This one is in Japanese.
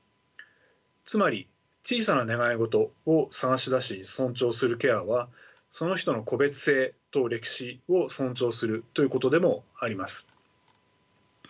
つまり小さな願い事を探し出し尊重するケアはその人の個別性と歴史を尊重するということでもあります。